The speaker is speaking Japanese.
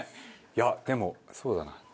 いやでもそうだな。